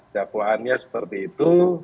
dapuannya seperti itu